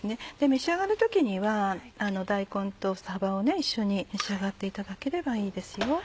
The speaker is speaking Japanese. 召し上がる時には大根とさばを一緒に召し上がっていただければいいですよ。